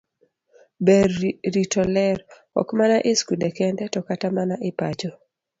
Ber rito ler, ok mana e skul kende, to kata mana e pacho.